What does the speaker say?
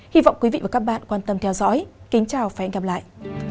cảm ơn các bạn đã theo dõi và hẹn gặp lại